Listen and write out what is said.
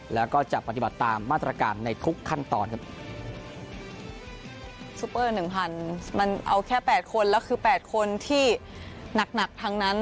แล้วก็จะปฏิบัติตามมาตรการในทุกขั้นตอนครับซุปเปอร์หนึ่งพันมันเอาแค่แปดคนแล้วคือแปดคนที่หนักหนักทั้งนั้น